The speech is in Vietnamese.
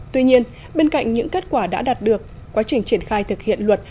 tuy nhiên bên cạnh những kết quả đã đạt được quá trình triển khai thực hiện luật